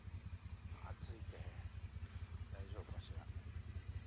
熱いて大丈夫かしら。